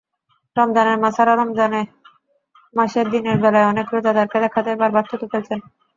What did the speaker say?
রমজানের মাসআলারমজান মাসে দিনের বেলায় অনেক রোজাদারকে দেখা যায় বারবার থুতু ফেলছেন।